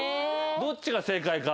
どっちが正解か。